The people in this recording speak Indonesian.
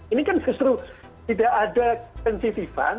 ini kan justru tidak ada sensitifan